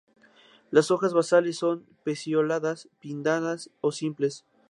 Las hojas basales son pecioladas, pinnadas o simples.